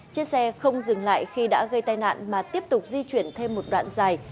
chiếc xe không dừng lại khi đã gây tai nạn mà tiếp tục di chuyển thêm một đoạn dài